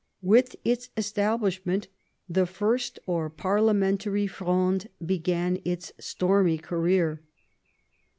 With its establishment the First or Parliamentary Fronde began its stormy career.